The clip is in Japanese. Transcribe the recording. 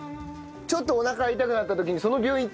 ちょっとおなか痛くなった時に。